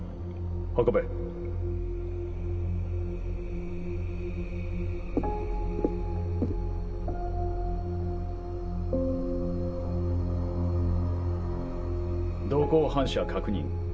運べ瞳孔反射確認。